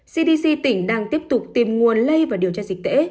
cdc tỉnh đang tiếp tục tìm nguồn lây và điều tra dịch tễ